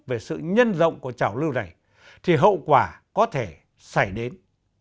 về sự nhân rộng của trảo lưu này thì hậu quả có thể xảy đến